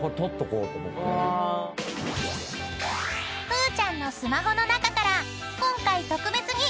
［ふーちゃんのスマホの中から今回特別に］